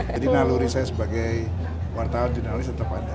jadi naluri saya sebagai wartawan jurnalis tetap ada